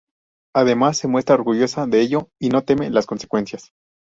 Además se muestra orgullosa de ello y no teme las consecuencias.